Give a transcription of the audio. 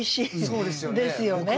そうですよね。